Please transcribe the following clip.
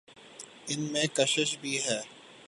ان میں کشش بھی ہے۔